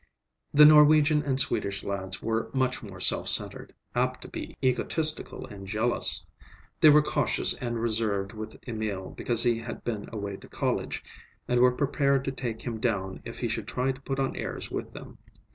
The Norwegian and Swedish lads were much more self centred, apt to be egotistical and jealous. They were cautious and reserved with Emil because he had been away to college, and were prepared to take him down if he should try to put on airs with them.